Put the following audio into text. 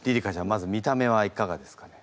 まず見た目はいかがですかね？